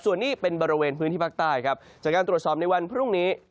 ส่วนนี้เป็นบริเวณพื้นที่ภาคใต้ครับจากการตรวจสอบในวันพรุ่งนี้